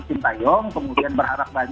sintayong kemudian berbicara tentang